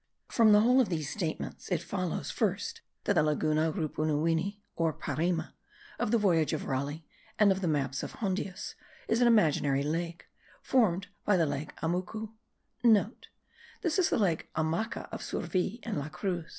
From the whole of these statements it follows, first, that the Laguna Rupunuwini, or Parima of the voyage of Raleigh and of the maps of Hondius, is an imaginary lake, formed by the lake Amucu* (* This is the lake Amaca of Surville and La Cruz.